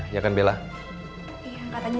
iya kan bella iya angkat aja